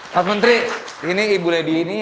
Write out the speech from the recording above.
pak menteri ini ibu lady ini